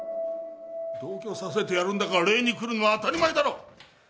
同居させてやるんだから礼に来るのは当たり前だろ！